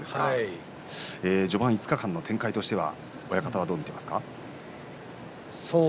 序盤５日間の展開親方はどう見ていますか。